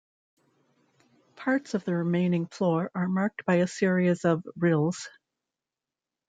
Parts of the remaining floor are marked by a series of rilles.